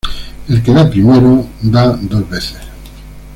El que da primero, da dos veces